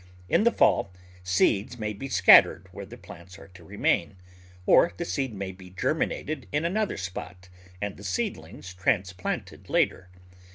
In the fall seeds may be scattered where the plants are to remain, or the seed may be germinated in another spot and the seedlings transplanted later.